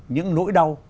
những nỗi đau